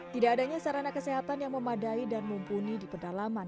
tidak adanya sarana kesehatan yang memadai dan mumpuni di pedalaman